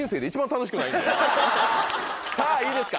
さぁいいですか